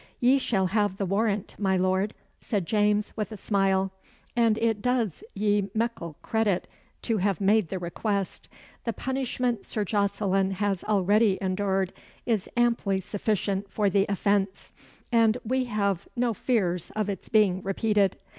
"Ye shall have the warrant, my Lord," said James, with a smile. "And it does ye meikle credit to have made the request. The punishment Sir Jocelyn has already endured is amply sufficient for the offence; and we hae nae fears of its being repeated.